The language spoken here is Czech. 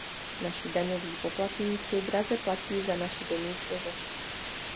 Naši daňoví poplatníci draze platí za naši domýšlivost.